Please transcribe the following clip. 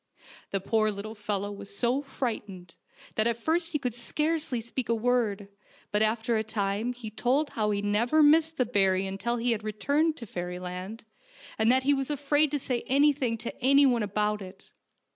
The poor little fellow was so frightened that at first he could scarcely speak a word, but after a time he told how he never missed the berry until he had returned to fairyland, and that he was afraid to say anything to anyone about it.